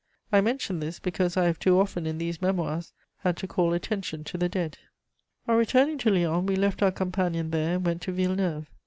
I mention this because I have too often, in these Memoirs, had to call attention to the dead. On returning to Lyons we left our companion there, and went to Villeneuve.